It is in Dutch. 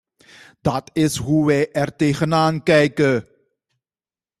Dat is hoe wij ertegenaan kijken.